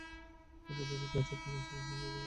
মদীনায় পৌঁছে তিনি রাসূলের সাহচর্য অবলম্বন করলেন।